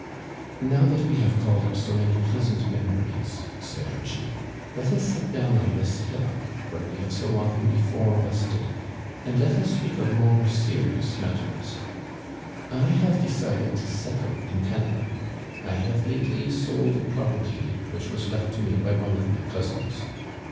"Now that we have called up so many pleasant memories," said Archie, " let us sit down on this hillock Digitized by VjOOQIC LOCHJEL AND BLANCHE. 245 where we have so often before rested, and let us speak of more serious matters. I have decided to settle in Canada. I have lately sold a property which was left to me by one of my cousins.